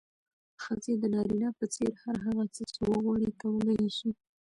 ښځې د نارينه په څېر هر هغه څه چې وغواړي، کولی يې شي.